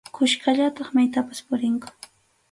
Kuskallataq maytapas purinku.